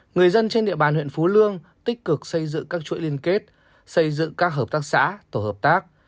người dân trên địa bàn huyện phú lương tích cực xây dựng các chuỗi liên kết xây dựng các hợp tác xã tổ hợp tác